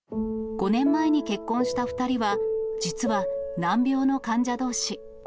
５年前に結婚した２人は、実は、難病の患者どうし。